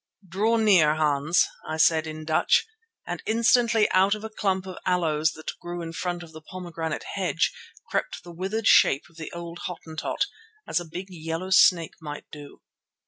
"Draw near, Hans," I said in Dutch, and instantly out of a clump of aloes that grew in front of the pomegranate hedge, crept the withered shape of the old Hottentot, as a big yellow snake might do.